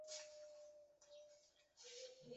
盾的其余部分分为四个象限。